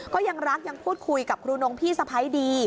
ก็ยังรักยังพูดคุยกับครูนงพี่สะพ้ายดี